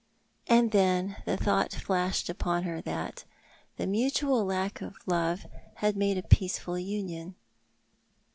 And then the thought flashed upon her that the mutual lack of love had made a peaceful union.